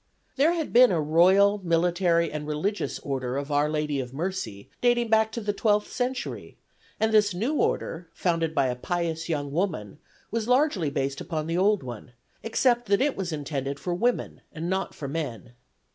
There had been a "Royal, Military and Religious Order of Our Lady of Mercy," dating back to the twelfth century, and this new order, founded by a pious young woman, was largely based upon the old one, except that it was intended for women and not for men.